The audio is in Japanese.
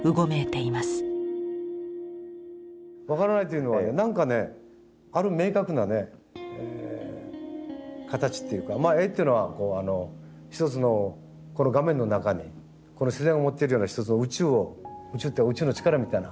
分からないというのはねなんかねある明確なねえ形っていうかまあ絵っていうのは一つのこの画面の中にこの自然を持ってるような一つの宇宙を宇宙って宇宙の力みたいな